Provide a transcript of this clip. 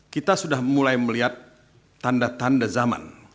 kita sudah mulai melihat tanda tanda zaman